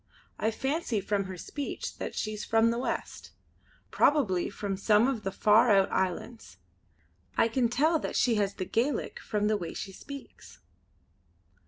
I fancy from her speech that she's from the west; probably from some of the far out islands. I can tell that she has the Gaelic from the way she speaks."